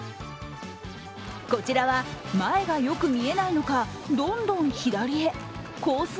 こちらは前がよく見えないのかどんどん左へコース